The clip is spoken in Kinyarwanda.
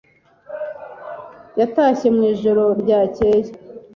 Yatashye mu ijoro ryakeye.